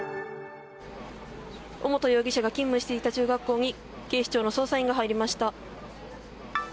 尾本容疑者が勤務していた中学校に警視庁の捜査員が入りました。